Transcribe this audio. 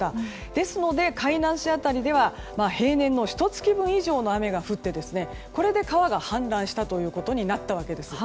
ですので、海南市辺りでは平年の１月分以上の雨が降ってこれで川が氾濫したということになったわけです。